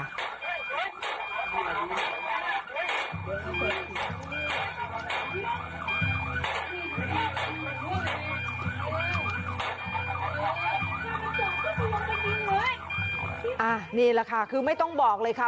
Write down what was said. นี่แหละค่ะคือไม่ต้องบอกเลยค่ะ